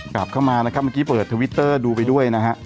กลับเข้ามานะครับเมื่อกี้เปิดทวิตเตอร์ดูไปด้วยนะฮะ